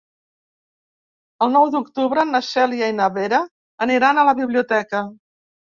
El nou d'octubre na Cèlia i na Vera aniran a la biblioteca.